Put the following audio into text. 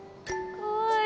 かわいい。